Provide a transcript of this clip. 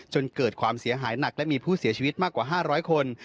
จนเกิดความเสียหายหนักและมีผู้เสียชีวิตมากกว่า๕๐๐คน